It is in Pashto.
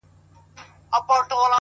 هوښیار انسان احساساتو ته لوری ورکوي!